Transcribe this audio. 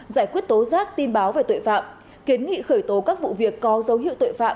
giải quyết tố giác tin báo về tội phạm kiến nghị khởi tố các vụ việc có dấu hiệu tội phạm